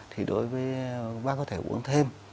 thì đối với bác có thể uống thêm